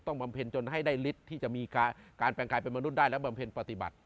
บำเพ็ญจนให้ได้ฤทธิ์ที่จะมีการแปลงกายเป็นมนุษย์ได้และบำเพ็ญปฏิบัติ